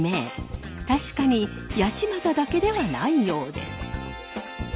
確かに八街だけではないようです。